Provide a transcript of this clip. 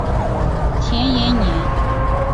田延年。